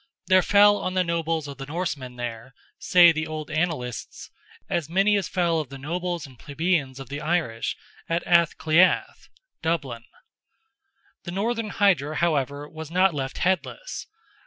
"There fell of the nobles of the Norsemen here," say the old Annalists, "as many as fell of the nobles and plebeians of the Irish, at Ath Cliath" (Dublin). The Northern Hydra, however, was not left headless.